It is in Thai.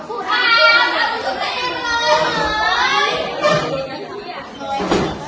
มึงจัดมือหลุม